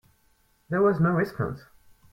There was no response.